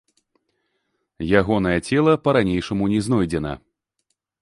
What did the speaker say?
Ягонае цела па-ранейшаму не знойдзена.